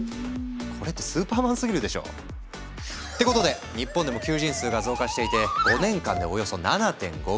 これってスーパーマンすぎるでしょ！ってことで日本でも求人数が増加していて５年間でおよそ７．５倍に。